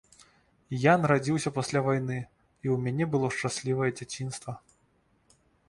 Я нарадзіўся пасля вайны, і ў мяне было шчаслівае дзяцінства.